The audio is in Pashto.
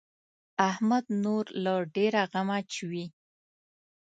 احمد نور له ډېره غمه چويي.